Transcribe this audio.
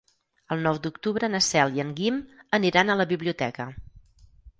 El nou d'octubre na Cel i en Guim aniran a la biblioteca.